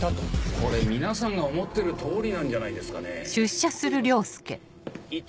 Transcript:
これ皆さんが思ってる通りなんじゃないですかね？といいますと？